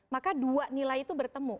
maka dua nilai itu bertemu